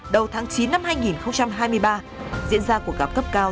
đầu tháng chín năm hai nghìn hai mươi ba diễn ra cuộc gặp cấp cao